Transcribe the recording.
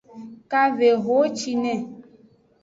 Kavehocine.